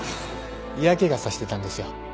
嫌気が差してたんですよ